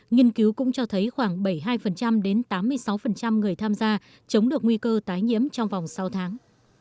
nghiên cứu cũng cho thấy khoảng bảy mươi hai đến tám mươi sáu người tham gia chống được nguy cơ tái nhiễm trong vòng sáu tháng